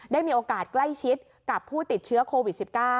ได้มีโอกาสใกล้ชิดกับผู้ติดเชื้อโควิด๑๙